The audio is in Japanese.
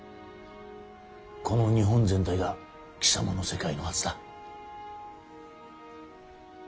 この日本全体が貴様の世界のはずだ。